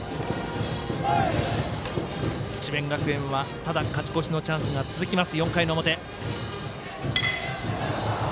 智弁学園は、ただ勝ち越しのチャンスが続きます